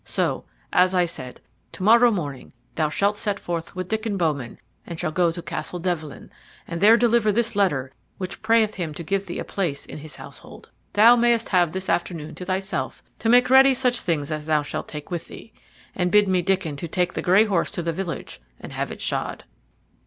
So, as I said, to morrow morning thou shalt set forth with Diccon Bowman, and shall go to Castle Devlen, and there deliver this letter which prayeth him to give thee a place in his household. Thou mayst have this afternoon to thyself to make read such things as thou shalt take with thee. And bid me Diccon to take the gray horse to the village and have it shod."